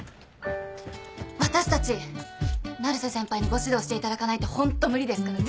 私たち成瀬先輩にご指導していただかないとホント無理ですから！